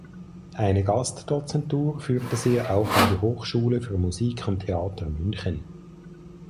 Eine Gastdozentur führte sie auch an die Hochschule für Musik und Theater München.